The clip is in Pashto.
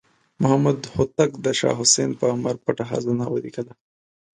محمد هوتک د شاه حسین په امر پټه خزانه ولیکله.